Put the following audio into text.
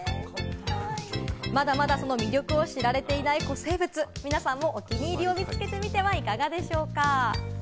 まだまだその魅力を知られていない古生物、皆さんもお気に入りを見つけてみてはいかがでしょうか？